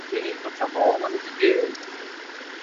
Vëi t’ò ciammou, ma no ti gh’ëi.